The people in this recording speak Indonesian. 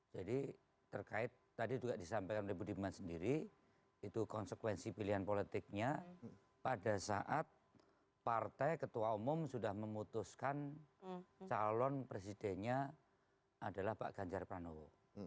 jadi terkait tadi juga disampaikan oleh budiman sendiri itu konsekuensi pilihan politiknya pada saat partai ketua umum sudah memutuskan calon presidennya adalah pak ganjar pranowo